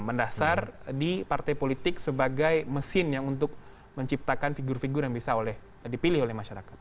mendasar di partai politik sebagai mesin yang untuk menciptakan figur figur yang bisa dipilih oleh masyarakat